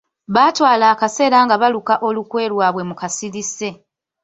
Baatwala akaseera nga baluka olukwe lwabwe mu kasirise.